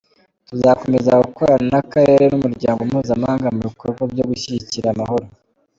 Tuzakomeza gukorana n’Akarere n’umuryango mpuzamahanga mu bikorwa byo gushyigikira amahoro.